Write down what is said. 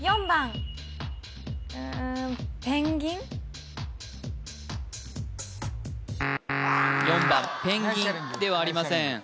４番ぺんぎんではありません